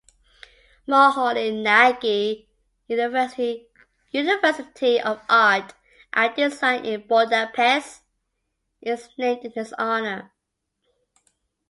Moholy-Nagy University of Art and Design in Budapest is named in his honour.